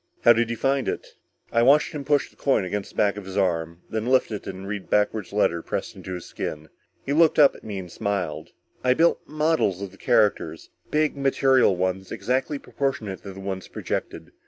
"How did you find it?" I watched him push the coin against the back of his arm, then lift it to read the backward letters pressed into his skin. He looked up at me and smiled. "I built models of the characters. Big material ones, exactly proportionate to the ones projected.